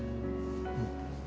うん。